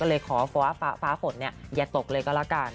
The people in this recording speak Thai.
เลยขอฟ้าฝนอย่าตกเลยก็แล้วกัน